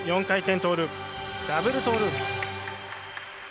４回転トーループ、ダブルトーループ。